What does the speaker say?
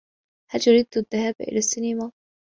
هل تريد الذهاب إلى السينما؟